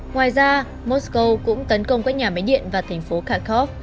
ngoài ra moscow cũng tấn công các nhà máy điện và thành phố kharkov